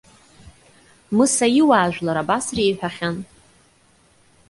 Мыса иуаажәлар абас реиҳәахьан.